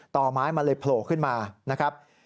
ต่อไม้มันเลยโผล่ขึ้นมานะครับ